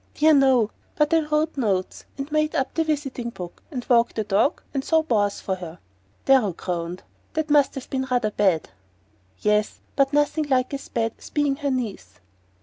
"Dear, no! But I wrote notes, and made up the visiting book, and walked the dogs, and saw bores for her." Darrow groaned. "That must have been rather bad!" "Yes; but nothing like as bad as being her niece."